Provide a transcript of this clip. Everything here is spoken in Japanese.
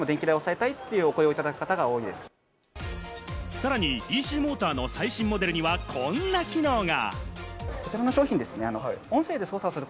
さらにＤＣモーターの最新モデルには、こんな機能が。